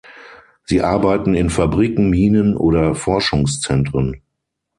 Sie arbeiten in Fabriken, Minen oder Forschungszentren.